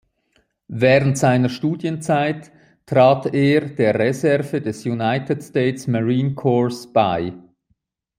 Während seiner Studienzeit trat er der Reserve des United States Marine Corps bei.